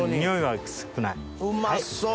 うまそう！